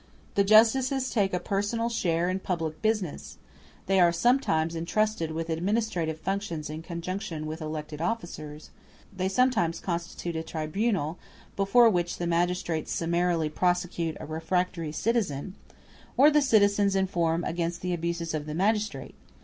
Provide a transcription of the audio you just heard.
The justices take a personal share in public business; they are sometimes entrusted with administrative functions in conjunction with elected officers, *r they sometimes constitute a tribunal, before which the magistrates summarily prosecute a refractory citizen, or the citizens inform against the abuses of the magistrate.